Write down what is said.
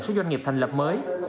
số doanh nghiệp thành lập mới